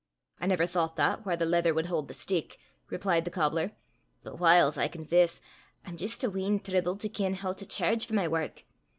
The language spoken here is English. "I never thoucht that whaur the leather wad haud the steek," replied the cobbler. "But whiles, I confess, I'm jist a wheen tribled to ken hoo to chairge for my wark.